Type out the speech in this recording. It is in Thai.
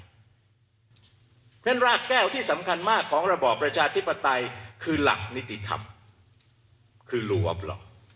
เพราะฉะนั้นรากแก้วที่สำคัญมากของระบอบประชาธิปไตยคือหลักนิติธรรมคือรวมเหรอ